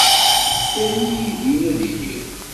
Err-iyi din ad iliɣ.